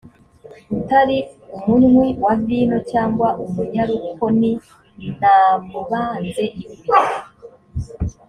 utari umunywi wa vino cyangwa umunyarukoni namubanze ibuye